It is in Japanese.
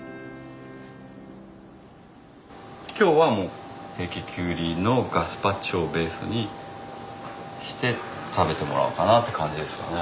今日はもう平家キュウリのガスパチョをベースにして食べてもらおうかなって感じですかね。